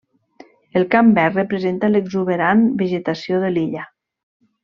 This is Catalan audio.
El camp verd representa l'exuberant vegetació de l'illa.